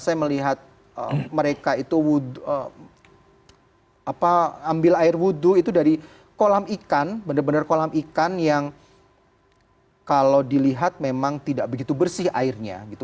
saya melihat mereka itu ambil air wudhu itu dari kolam ikan benar benar kolam ikan yang kalau dilihat memang tidak begitu bersih airnya gitu